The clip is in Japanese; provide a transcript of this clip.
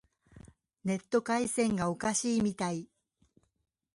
ネット回線がおかしいみたい。